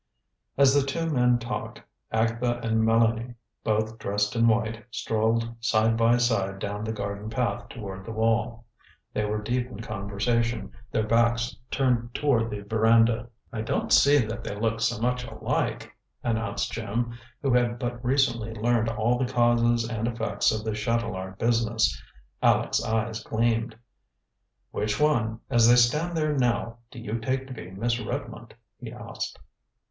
As the two men talked, Agatha and Mélanie, both dressed in white, strolled side by side down the garden path toward the wall. They were deep in conversation, their backs turned toward the veranda. "I don't see that they look so much alike," announced Jim, who had but recently learned all the causes and effects of the Chatelard business. Aleck's eyes gleamed. "Which one, as they stand there now, do you take to be Miss Redmond?" he asked.